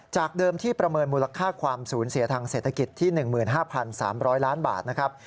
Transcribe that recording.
จากเดิมที่ประเมินมูลค่าความสูญเสียทางเศรษฐกิจที่๑๕๓๐๐ล้านบาทนะครับ